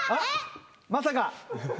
まさか。